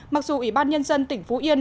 mặc dù ủy ban nhân dân tỉnh phú yên